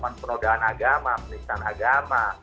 melakukan penodaan agama penelitian agama